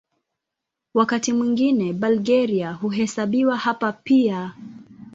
Wakati mwingine Bulgaria huhesabiwa hapa pia.